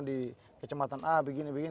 di kecematan a begini begini